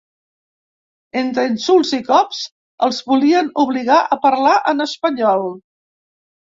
Entre insults i cops, els volien obligar a parlar en espanyol.